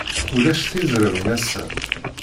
Ulac tizrawin ass-a.